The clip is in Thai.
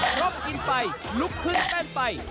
เพราะกินไปลุกขึ้นเต้นไป